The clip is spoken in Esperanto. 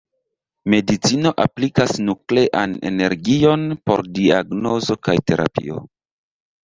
Medicino aplikas nuklean energion por diagnozo kaj terapio.